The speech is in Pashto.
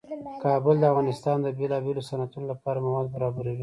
کابل د افغانستان د بیلابیلو صنعتونو لپاره مواد برابروي.